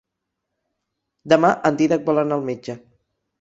Demà en Dídac vol anar al metge.